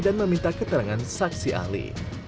dan meminta keterangan saksi ahli